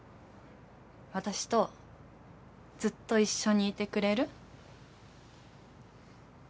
私とずっと一緒にいてくれる？